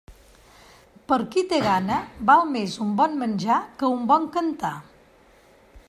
Per qui té gana, val més un bon menjar que un bon cantar.